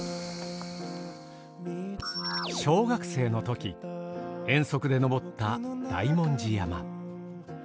小学生のとき遠足で登った大文字山。